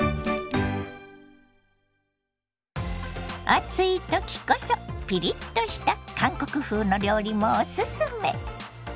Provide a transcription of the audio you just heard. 暑い時こそピリッとした韓国風の料理もおすすめ。